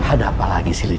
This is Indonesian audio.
ada apalagi sih lidia